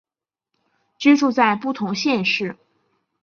居住在不同县市